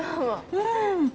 うん。